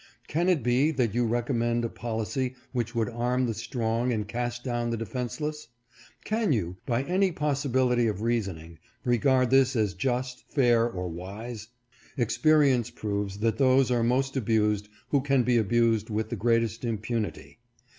Can it be that you recommend a policy which would arm the strong and cast down the defenceless? Can you, by any possibility of reasoning, regard this as just, fair, or wise? Experience proves that those are most abused who can be abused with the greatest impunity.